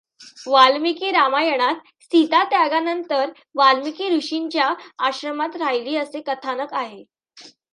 वाल्मिकी रामायणात सीतात्यागानंतर वाल्मिकी ऋषींच्या आश्रमात राहिली असे कथानक आहे.